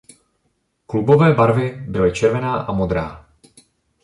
Klubové barvy byly červená a modrá.